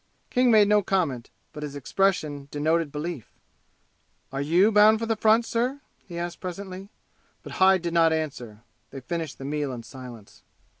King made no comment, but his expression denoted belief. "Are you bound for the front, sir?" he asked presently. But Hyde did not answer. They finished the meal in silence.